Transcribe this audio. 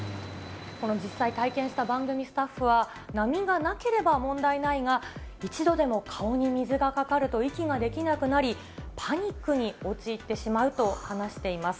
この実際体験した番組スタッフは、波がなければ問題ないが、一度でも顔に水がかかると息ができなくなり、パニックに陥ってしまうと話しています。